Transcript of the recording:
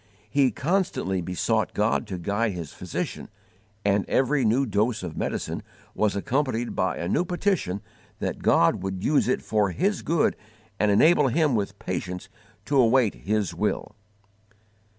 He constantly besought God to guide his physician, and every new dose of medicine was accompanied by a new petition that God would use it for his good and enable him with patience to await His will.